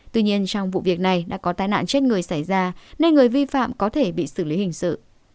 tuy nhiên trong vụ việc này đã có tai nạn chết người xảy ra nên người vi phạm có thể bị xử lý hình sự